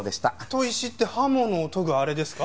砥石って刃物を研ぐあれですか？